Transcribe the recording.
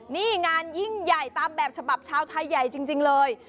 นี่งานยิ่งใหญ่ตามแบบฉบับชาวไทยใหญ่จริงเลย